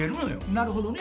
なるほどね。